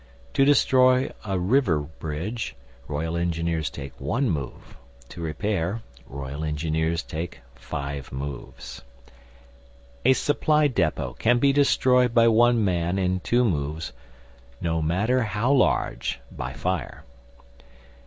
To destroy a river road bridge R.E. take one move; to repair, R.E. take five moves. A supply depot can be destroyed by one man in two moves, no matter how large (by fire).